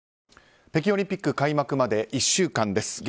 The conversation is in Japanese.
北京オリンピック開幕まで１週間です。